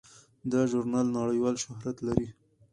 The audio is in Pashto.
دا ژورنال نړیوال شهرت لري.